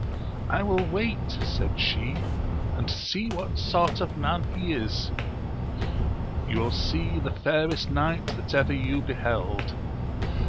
I will wait, said she, and see what sort of man he is. — You will see the fairest knight that ever you beheld.